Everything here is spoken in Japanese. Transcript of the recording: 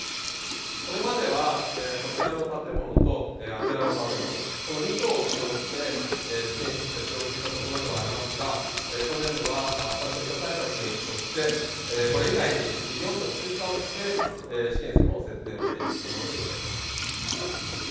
これまではこちらの建物とあちらの建物、この２棟を使用して試験室の設定をしていたところではありますが、今年度は感染症対策として、これ以外に４棟追加をして試験室の設定をしているところです。